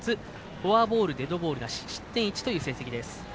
フォアボール、デッドボールなし失点１という成績です。